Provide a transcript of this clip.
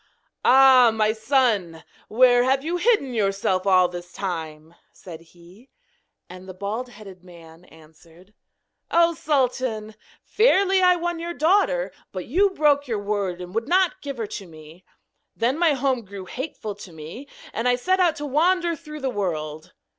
'Ah, my son! where have you hidden yourself all this time?' said he. And the bald headed man answered: 'Oh, Sultan! Fairly I won your daughter, but you broke your word, and would not give her to me. Then my home grew hateful to me, and I set out to wander through the world!